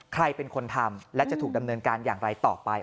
ใครเป็นคนทำและจะถูกดำเนินการอย่างไรต่อไป